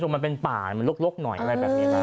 คือมันเป็นป่ามันลกหน่อยอะไรแบบนี้นะ